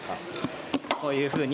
こういうふうに。